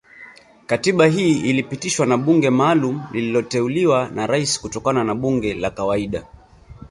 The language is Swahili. Katiba hii ilipitishwa na bunge maalumu lililoteuliwa na Rais kutokana na bunge la kawaida